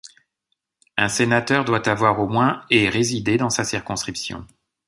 Un sénateur doit avoir au moins et résider dans sa circonscription.